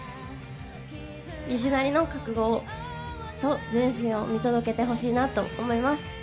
ＢｉＳＨなりの覚悟と前進を見届けてほしいなと思います。